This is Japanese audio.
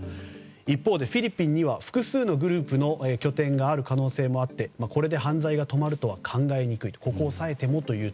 一方でフィリピンには複数のグループの拠点がある可能性もあってこれで犯罪が止まるとは考えにくいと。